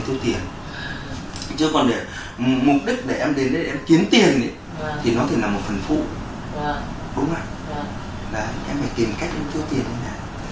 tiêu tiền chứ còn để mục đích để em đến đây em kiếm tiền thì nó thì là một phần phụ đúng không